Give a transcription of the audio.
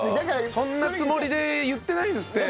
そんなつもりで言ってないですって。